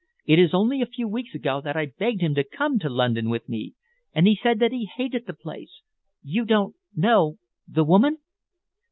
It is only a few weeks ago that I begged him to come to London with me, and he said that he hated the place. You don't know the woman?"